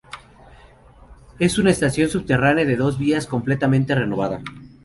Es una estación subterránea de dos vías, completamente renovada.